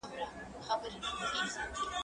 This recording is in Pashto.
زه به سبا ليکلي پاڼي ترتيب کړم؟